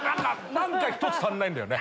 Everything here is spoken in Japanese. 何か１つ足んないんだよね。